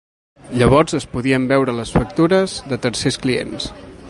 Llavors es podien veure les factures de tercers clients.